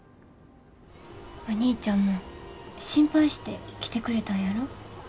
お兄ちゃんも心配して来てくれたんやろ？